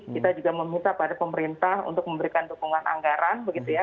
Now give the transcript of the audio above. kita juga meminta pada pemerintah untuk memberikan dukungan anggaran begitu ya